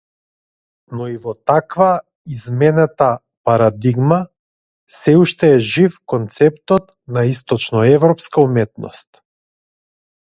Но и во таквата изменета парадигма, сѐ уште е жив концептот на источноеврпската уметност.